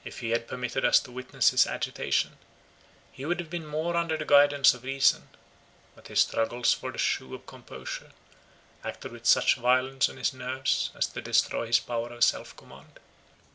If he had permitted us to witness his agitation, he would have been more under the guidance of reason; but his struggles for the shew of composure, acted with such violence on his nerves, as to destroy his power of self command.